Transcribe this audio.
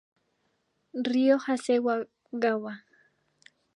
Ryo Hasegawa